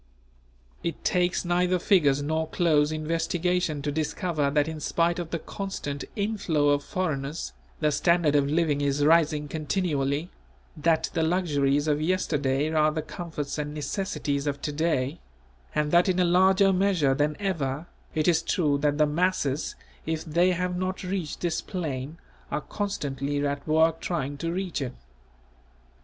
It takes neither figures nor close investigation to discover that in spite of the constant inflow of foreigners, the standard of living is rising continually; that the luxuries of yesterday are the comforts and necessities of to day; and that in a larger measure than ever, it is true that the masses, if they have not reached this plane, are constantly at work trying to reach it.